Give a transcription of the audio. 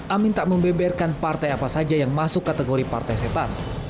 amin tak membeberkan partai apa saja yang masuk kategori partai setan